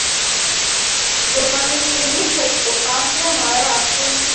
Журналісты лічаць, што канцлер мае рацыю.